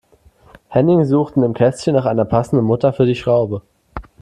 Henning sucht in dem Kästchen nach einer passenden Mutter für die Schraube.